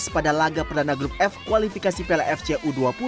pada laga perdana grup f kualifikasi piala fc u dua puluh